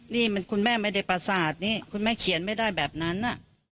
นี่มันคุณแม่ไม่ได้ประสาทนี่คุณแม่เขียนไม่ได้แบบนั้นน่ะ